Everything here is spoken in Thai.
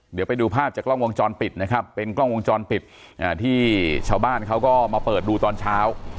เดี๋ยวไปดูภาพจากกล้องวงจรปิดนะครับเป็นกล้องวงจรปิดที่ชาวบ้านเขาก็มาเปิดดูตอนเช้า